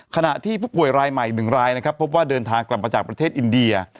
ขณะที่ผู้ป่วยรายใหม่๑รายนะครับพบว่าเดินทางกลับมาจากประเทศอินเดีย